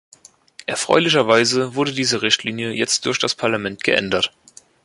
Erfreulicherweise wurde diese Richtlinie jetzt durch das Parlament geändert.